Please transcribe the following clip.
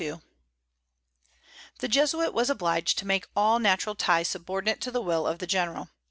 ] The Jesuit was obliged to make all natural ties subordinate to the will of the General.